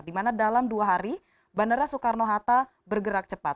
dimana dalam dua hari bandara soekarno hatta bergerak cepat